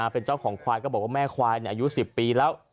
เป็นเจ้าของควายก็บอกว่าแม่ควายอายุ๑๐ปีแล้ว